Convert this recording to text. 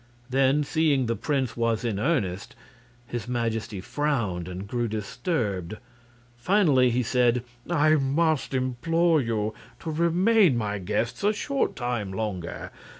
Then, seeing the prince was in earnest, his Majesty frowned and grew disturbed. Finally he said: "I must implore you to remain my guests a short time longer.